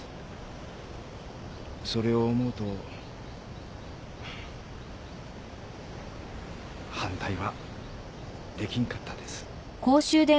それを思うと反対はできんかったです。